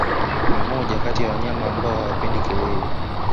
Ni moja kati ya wanyama ambao hawapendi kelele